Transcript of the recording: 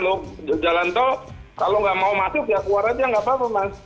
kalau jalan tol kalau nggak mau masuk ya keluar aja nggak apa apa mas